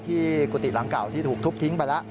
กุฏิหลังเก่าที่ถูกทุบทิ้งไปแล้ว